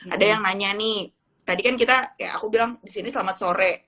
ada yang nanya nih tadi kan kita kayak aku bilang di sini selamat sore